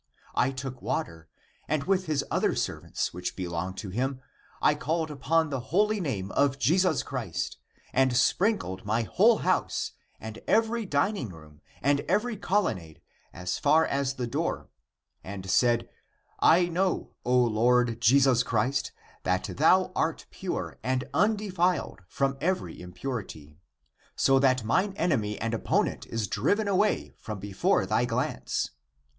I took water and with his other servants, which belong to him, I called upon the holy name of Jesus Christ, and sprinkled my whole house and every dining room and every colonnade as far as SS THE APOCRYPHAL ACTS the door, and said, I know, O Lord Jesus Christ, that thou art pure and undefiled from every impur ity, so that mine enemy and opponent is driven away from before thy glance.